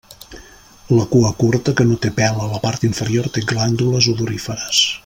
La cua curta, que no té pèl a la part inferior, té glàndules odoríferes.